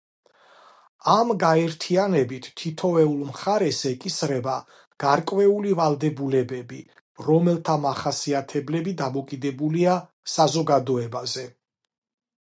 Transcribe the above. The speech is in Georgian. ამ გაერთიანებით თითოეულ მხარეს ეკისრება გარკვეული ვალდებულებები, რომელთა მახასიათებლები დამოკიდებულია საზოგადოებებზე.